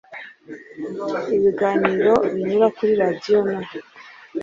ibiganiro binyura kuri radiyo na